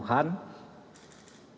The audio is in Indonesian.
kesehatan dan kesembuhan